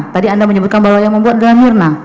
tadi anda menyebutkan bahwa yang membuat adalah mirna